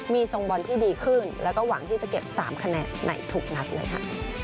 มีทรงบอลที่ดีขึ้นแล้วก็หวังที่จะเก็บ๓คะแนนในทุกนัดเลยค่ะ